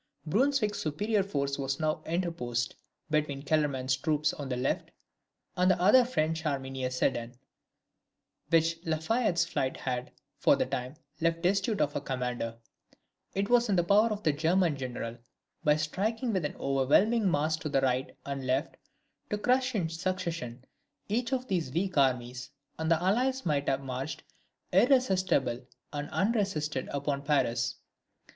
Brunswick's superior force was now interposed between Kellerman's troops on the left, and the other French army near Sedan, which La Fayette's flight had, for the time, left destitute of a commander. It was in the power of the German general, by striking with an overwhelming mass to the right and left, to crush in succession each of these weak armies, and the allies might then have marched irresistible and unresisted upon Paris.